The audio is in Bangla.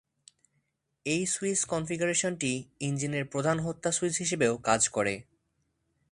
এই সুইচ কনফিগারেশনটি ইঞ্জিনের প্রধান হত্যা সুইচ হিসেবেও কাজ করে।